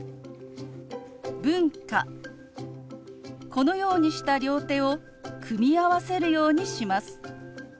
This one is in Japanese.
このようにした両手を組み合わせるようにします。